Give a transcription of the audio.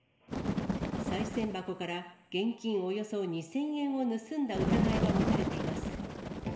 さい銭箱から現金およそ２０００円を盗んだ疑いが持たれています。